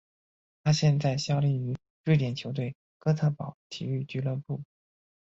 他现在效力于瑞典球队哥特堡体育俱乐部。